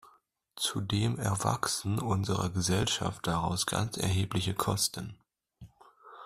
Zudem erwachsen unserer Gesellschaft daraus ganz erhebliche Kosten.